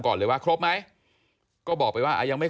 ขอบคุณครับและขอบคุณครับ